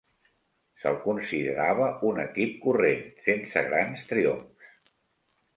Se'l considerava un equip corrent, sense grans triomfs.